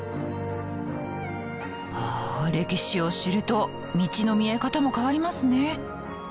あ歴史を知ると道の見え方も変わりますね。